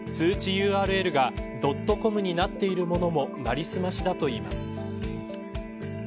ＵＲＬがドットコムになっているものもなりすましだといいます。